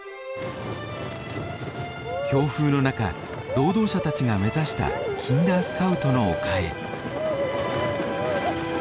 強風の中労働者たちが目指したキンダースカウトの丘へ。